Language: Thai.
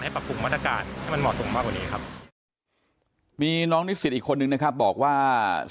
แล้วก็มีเรื่องไรเขาบอกมากว่า